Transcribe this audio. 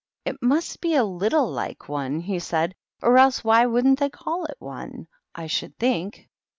"It must be a little like one," he said, "or else they wouldn't call it one, I should think.